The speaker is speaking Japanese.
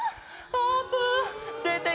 あーぷん。